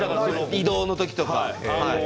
移動の時とか。